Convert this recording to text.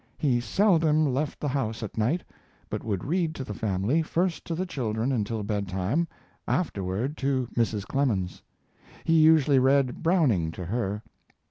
He seldom left the house at night, but would read to the family, first to the children until bedtime, afterward to Mrs. Clemens. He usually read Browning to her.